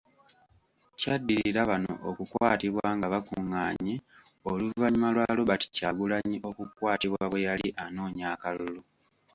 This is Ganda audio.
Kyaddirira bano okukwatibwa nga bakungaanye oluvannyuma lwa Robert Kyagulanyi, okukwatibwa bwe yali anoonya akalulu.